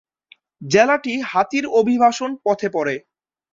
জেলাটি হাতির অভিবাসন পথে পড়ে।